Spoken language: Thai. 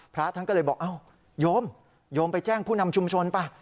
พระท่านก็เลยบอกอ้าวโยมโยมไปแจ้งผู้นำชุมชนป่ะ